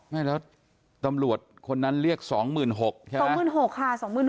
ไม่แล้วตำรวจคนนั้นเรียก๒๖๐๐๐ใช่ไหม